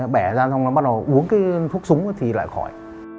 bẻ ra xong là bắt đầu uống cái thuốc súng thì lại khỏi